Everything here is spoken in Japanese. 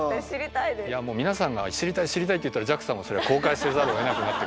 いやもう皆さんが知りたい知りたいって言ったらＪＡＸＡもそりゃ公開せざるをえなくなってくるんじゃないですか。